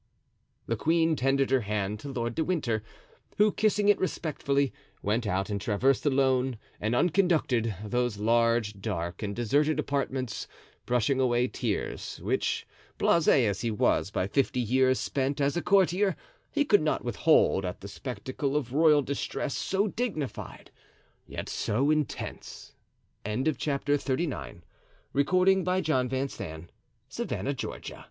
The queen tendered her hand to Lord de Winter, who, kissing it respectfully, went out and traversed alone and unconducted those large, dark and deserted apartments, brushing away tears which, blase as he was by fifty years spent as a courtier, he could not withhold at the spectacle of royal distress so dignified, yet so intense. Chapter XL. Uncle and Nephew. The horse and servant belonging to De Winter were waiting for